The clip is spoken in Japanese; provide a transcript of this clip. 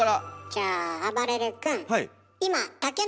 じゃああばれる君。